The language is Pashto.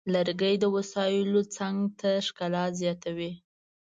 لرګی د وسایلو څنګ ته ښکلا زیاتوي.